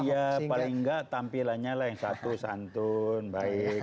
iya paling nggak tampilannya lah yang satu santun baik